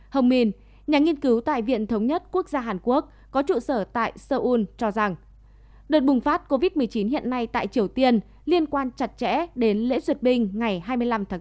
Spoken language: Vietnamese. hồng minh nhà nghiên cứu tại viện thống nhất quốc gia hàn quốc có trụ sở tại seoul cho rằng đợt bùng phát covid một mươi chín hiện nay tại triều tiên liên quan chặt chẽ đến lễ duyệt binh ngày hai mươi năm tháng bốn